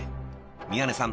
［宮根さん